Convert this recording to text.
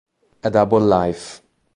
A Double Life